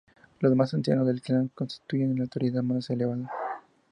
Los más ancianos del clan constituyen la autoridad más elevada.